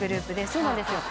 そうなんですよ。